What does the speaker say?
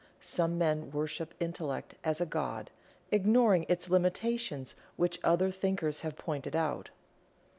Some men worship Intellect as a God, ignoring its limitations which other thinkers have pointed out.